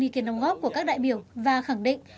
ý kiến đóng góp của các đại biểu và khẳng định